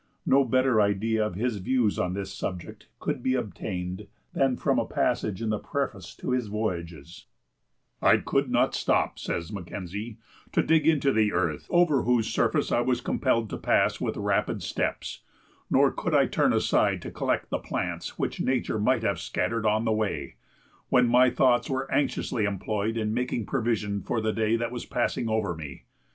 No better idea of his views on this subject could be obtained than from a passage in the preface to his Voyages: "I could not stop," says Mackenzie, "to dig into the earth, over whose surface I was compelled to pass with rapid steps; nor could I turn aside to collect the plants which nature might have scattered on the way, when my thoughts were anxiously employed in making provision for the day that was passing over me.